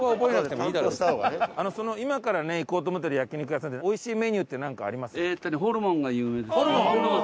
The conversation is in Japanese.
今から行こうと思ってる焼肉屋さんっておいしいメニューってなんかあります？